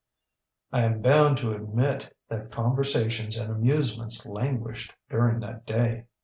ŌĆ£I am bound to admit that conversations and amusements languished during that day.